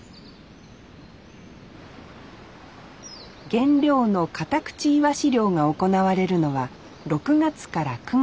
原料のカタクチイワシ漁が行われるのは６月から９月。